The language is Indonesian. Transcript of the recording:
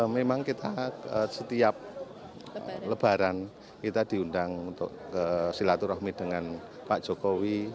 memang kita setiap lebaran kita diundang untuk silaturahmi dengan pak jokowi